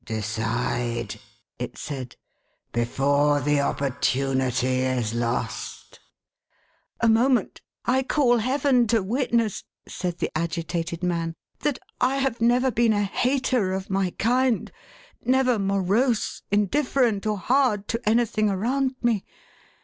'" Decide !" it said, " before the opportunity is lost !"" A moment ! I call Heaven to witness," said the agitated man, " that I have never been a hater of my kind, — never morose, indifferent, or hard, to anything around me.